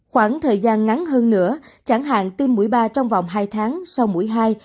khoảng thời gian ngắn hơn nữa chẳng hạn tiêm mũi ba trong vòng hai tháng sau mũi hai